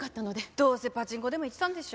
どうせパチンコでも行ってたんでしょ？